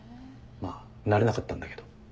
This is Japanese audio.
まあなれなかったんだけど。